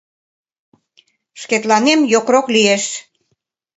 Шкетланем йокрок лиеш.